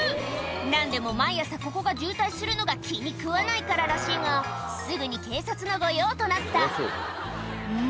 何でも毎朝ここが渋滞するのが気に食わないかららしいがすぐに警察の御用となったうん？